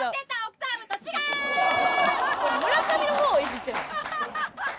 村上の方をいじってる。